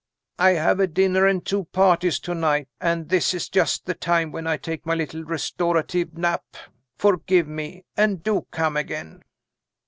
"I have a dinner and two parties to night, and this is just the time when I take my little restorative nap. Forgive me and do come again!"